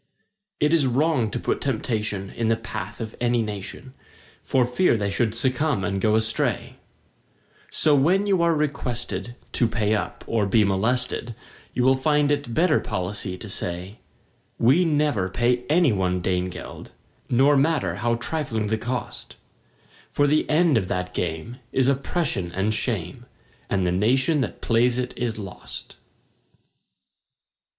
It is wrong to put temptation in the path of any nation, For fear they should succumb and go astray; So when you are requested to pay up or be molested, You will find it better policy to say: "We never pay any one Dane geld, Nor matter how trifling the cost; For the end of that game is oppression and shame, And the nation that plays it is lost!"